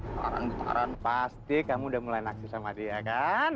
getaran getaran pasti kamu udah mulai naksir sama dia kan